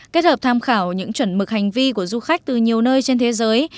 kết hợp tham khảo những chuẩn mực hành vi của du khách từ nhiều nơi trên thế giới